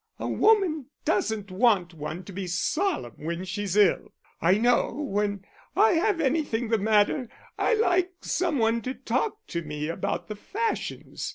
"A woman doesn't want one to be solemn when she's ill. I know when I have anything the matter, I like some one to talk to me about the fashions.